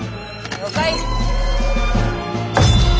了解。